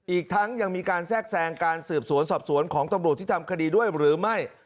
อีกทั้งยังมีการแทรกแทรงการสืบสวนสอบสวนของตำรวจที่ทำคดีด้วยหรือไม่